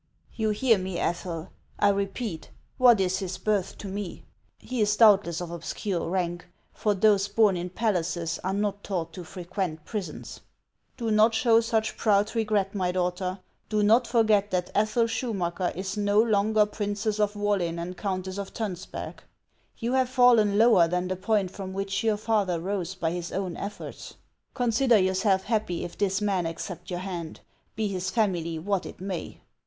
" You hear me, Ethel ! I repeat, what is his birth to me ? He is doubtless of obscure rank, for those born in palaces are not taught to frequent prisons. Do not show HANS OF ICELAND. 413 such proud regret, my daughter ; do not forget that Ethel Schumacker is no longer Princess of Wollin and Countess of Tonsberg. You have fallen lower than the point from which your father rose by his own efforts. Consider your self happy if this man accept your hand, be his family what it may.